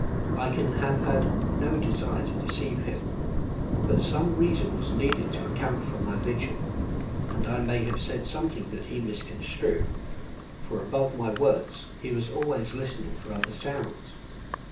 I can have had no desire to deceive him, but some reason was needed to account for my vigil, and I may have said something that he misconstrued, for above my words he was always listening for other sounds.